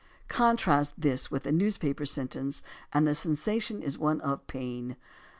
Contrast this with the newspaper sentence and the sensation is one of pain.